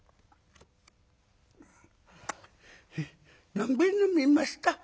「何杯飲みました？」。